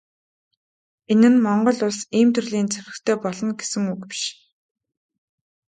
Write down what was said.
Энэ нь Монгол Улс ийм төрлийн зэвсэгтэй болно гэсэн үг биш.